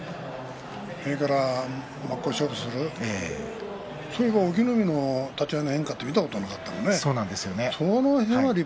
それから真っ向勝負するそういえば隠岐の海立ち合いの変化を見たことなかったもんね。